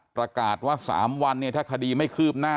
ประกาศว่า๓วันเนี่ยถ้าคดีไม่คืบหน้า